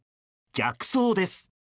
逆走です。